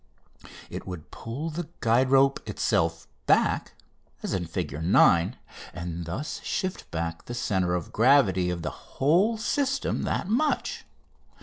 It would pull the guide rope itself back (Fig. 9), and thus shift back the centre of gravity of the whole system that much.